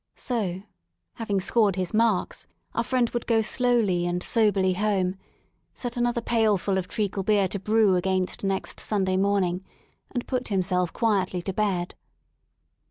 So, having scored his "marks,*' our friend would go slowly and soberly home; set another pailful of treacle beer to brew against next Sunday morning, and put himself quietly to bed.